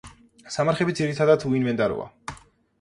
სამარხები ძირითადად უინვენტაროა.